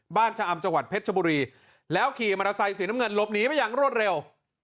ชะอำจังหวัดเพชรชบุรีแล้วขี่มอเตอร์ไซค์สีน้ำเงินลบหนีไปอย่างรวดเร็ว